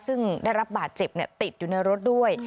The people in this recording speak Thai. ซึ่งได้รับบาดเจ็บติดอยู่ในรถด้วย